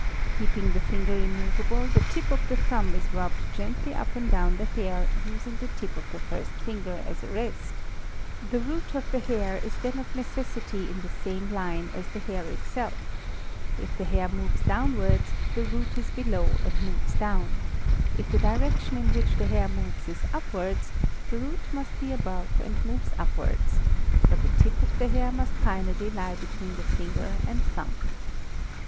| a Keeping the first finger immoveable the tip of the thumb is rubbed gently up and down the hair using the tip of the first finger as a rest; the i) PEATE J. Mig. 2: Hag. &. abe. a i Sele A HAIR 1979 root of the hair is then of necessity in the same line as the hair itsef; if the hair moves downwards the root 1s below and moves down; if the di rection in which the hair moves is upwards the root must be above and moves upwards, but the tip of the hair must finally he between the finger and thumb.